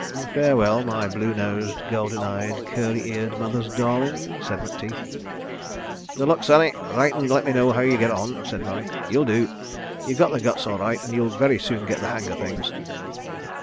..." "Farewell, my blue nosed, golden eyed, curly eared Mother's Darling," said Macteith. "Good luck, sonny. Write and let me know how you get on," said Murray. "You'll do. You've got the guts all right, and you'll very soon get the hang of things.